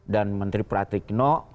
dan menteri pratikno